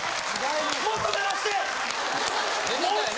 もっと鳴らして！